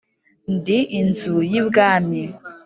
ndi inzu y'i bwami